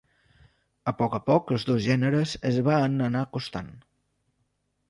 A poc a poc els dos gèneres es van anar acostant.